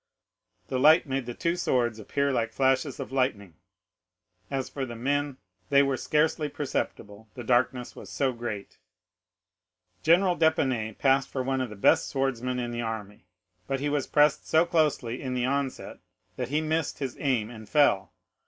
The light made the two swords appear like flashes of lightning; as for the men, they were scarcely perceptible, the darkness was so great. 40044m "'General d'Épinay passed for one of the best swordsmen in the army, but he was pressed so closely in the onset that he missed his aim and fell.